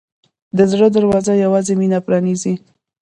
د زړه دروازه یوازې مینه پرانیزي.